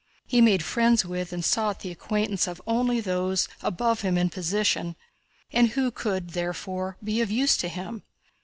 He made friends with and sought the acquaintance of only those above him in position and who could therefore be of use to him.